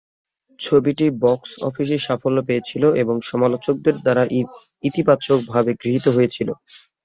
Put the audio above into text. ছবিটি বক্স অফিসে সাফল্য পেয়েছিল এবং সমালোচকদের দ্বারা ইতিবাচকভাবে গৃহীত হয়েছিল।